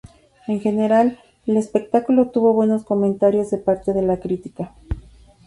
En general, el espectáculo tuvo buenos comentarios de parte de la crítica.